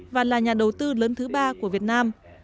và là nhà đầu tư lớn thứ ba của việt nam